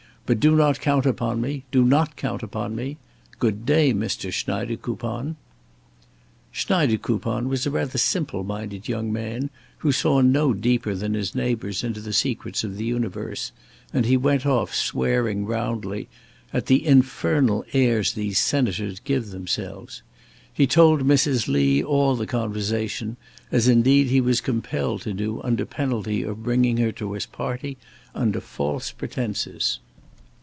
But do not count upon me do not count upon me. Good day, Mr. Schneidekoupon." Schneidekoupon was rather a simple minded young man, who saw no deeper than his neighbours into the secrets of the universe, and he went off swearing roundly at "the infernal airs these senators give themselves." He told Mrs. Lee all the conversation, as indeed he was compelled to do under penalty of bringing her to his party under false pretences.